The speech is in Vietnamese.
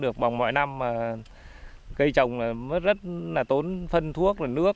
cây trồng rất tốn phân thuốc và nước